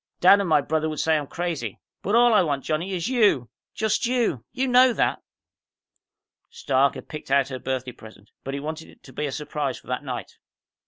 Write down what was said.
"Dad and my brother would say I'm crazy. But all I want, Johnny, is you. Just you! You know that." Stark had picked out her birthday present, but he wanted it to be a surprise for that night.